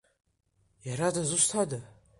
Иара дызусҭада?